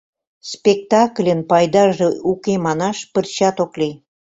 Спектакльын пайдаже уке манаш пырчат ок лий.